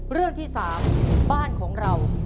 เรื่องที่๓บ้านของเรา